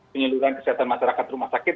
penyeluruhan kesehatan masyarakat rumah sakit